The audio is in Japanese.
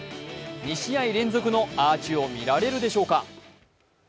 ２試合連続のアーチを見られるでしょうか。